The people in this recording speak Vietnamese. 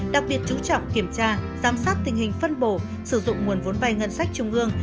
đặc biệt chú trọng kiểm tra giám sát tình hình phân bổ sử dụng nguồn vốn vay ngân sách trung ương